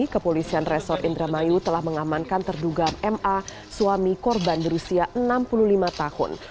kepolisian resort indramayu telah mengamankan terduga ma suami korban berusia enam puluh lima tahun